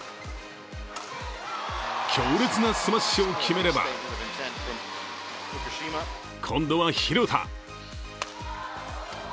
強烈なスマッシュを決めれば今度は廣田。